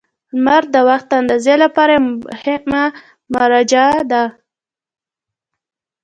• لمر د وخت اندازې لپاره یوه مهمه مرجع ده.